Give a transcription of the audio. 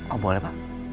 oh boleh pak